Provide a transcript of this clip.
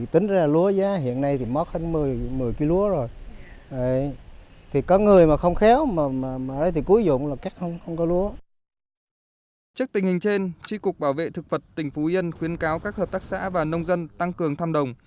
trước tình hình trên tri cục bảo vệ thực vật tỉnh phú yên khuyến cáo các hợp tác xã và nông dân tăng cường thăm đồng